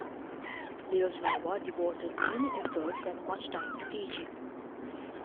Lioznova devoted many efforts and much time to teaching.